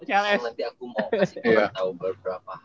nanti aku mau kasih tau berapa